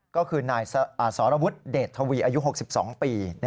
ก็คือนายสรวุฒิเดชทวีอายุ๖๒ปี